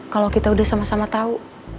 kalo kita udah sama sama tau